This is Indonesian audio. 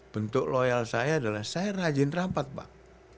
bentuk loyal saya adalah saya rajin rapat pak